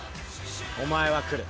お前は来る。